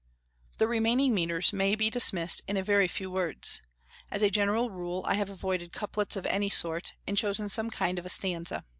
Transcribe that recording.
The remaining metres may be dismissed in a very few words. As a general rule, I have avoided couplets of any sort, and chosen some kind of stanza.